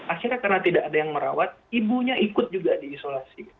akhirnya karena tidak ada yang merawat ibunya ikut juga diisolasi